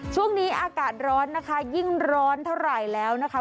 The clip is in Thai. ช่วงนี้อากาศร้อนนะคะยิ่งร้อนเท่าไหร่แล้วนะคะ